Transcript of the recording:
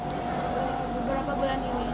beberapa bulan kenapa